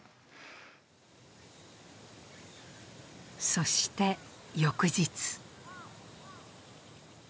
そして、翌日。